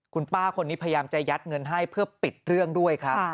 คุณป้าคนนี้พยายามจะยัดเงินให้เพื่อปิดเรื่องด้วยครับ